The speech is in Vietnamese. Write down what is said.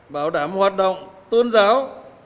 bảo đảm hoạt động tôn giáo